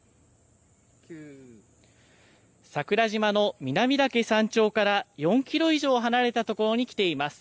桜島の南岳山頂から４キロ以上離れたところに来ています。